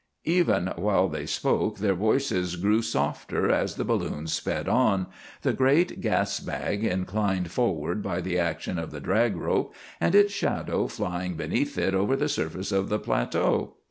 Even while they spoke, their voices grew softer as the balloon sped on, the great gas bag inclined forward by the action of the drag rope, and its shadow flying beneath it over the surface of the plateau.